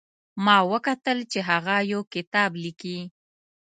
ما وکتل چې هغه یو کتاب لیکي